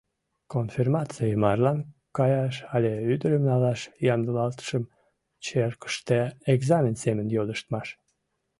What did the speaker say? Конфирмаций — марлан каяш але ӱдырым налаш ямдылалтшым черкыште экзамен семын йодыштмаш.